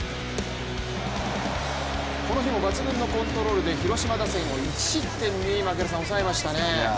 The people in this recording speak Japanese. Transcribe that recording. この日も抜群のコントロールで広島打線を１失点に抑えましたね。